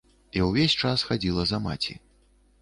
І ўвесь час хадзіла за маці.